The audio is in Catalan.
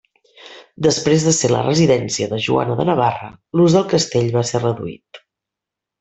Després de ser la residència de Joana de Navarra, l'ús del castell va ser reduït.